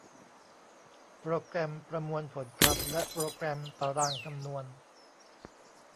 โปรแกรมประมวลผลคำและโปรแกรมตารางคำนวณ